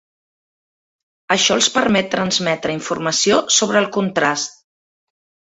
Això els permet transmetre informació sobre el contrast.